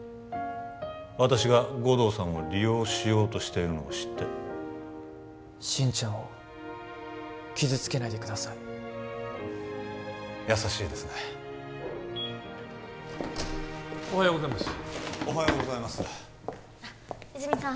私が護道さんを利用しようとしているのを知って心ちゃんを傷つけないでください優しいですねおはようございますおはようございます泉さん